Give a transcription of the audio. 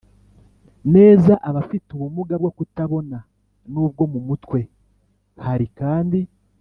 neza, abafite ubumuga bwo kutabona n'ubwo mu mutwe. hari kandi